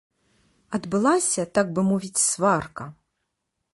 Адбылася, так бы мовіць, сварка.